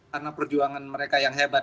karena perjuangan mereka yang hebat